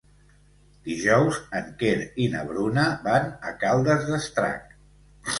Dijous en Quer i na Bruna van a Caldes d'Estrac.